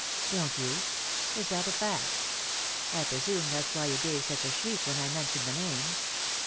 " Don't you ? Is that a feet ? I presume that's why you gave such a shriek when I mentioned the name.